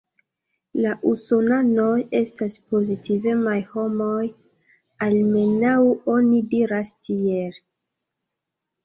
La Usonanoj estas pozitivemaj homoj, almenaŭ oni diras tiel.